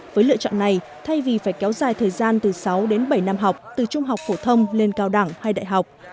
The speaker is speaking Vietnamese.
với lựa chọn này thay vì phải kéo dài thời gian từ sáu đến bảy năm học từ trung học phổ thông lên cao đẳng hay đại học